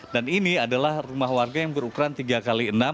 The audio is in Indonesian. dan ini adalah rumah warga yang berukuran tiga x enam